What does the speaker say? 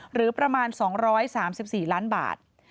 หรือประมาณ๒๓๔ล้านบาท